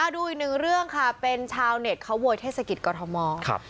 ดูอีกหนึ่งเรื่องค่ะเป็นชาวเน็ตเขาโวยเทศกิจกรทม